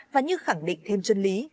và như khẳng định thêm chân lý